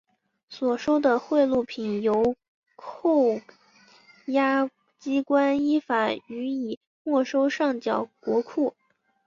所收的贿赂品由扣押机关依法予以没收上缴国库。